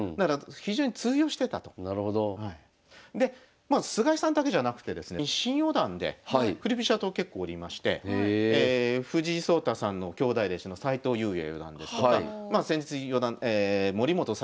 でまあ菅井さんだけじゃなくてですね新四段で振り飛車党結構おりまして藤井聡太さんの兄弟弟子の齋藤裕也四段ですとか先日四段森本才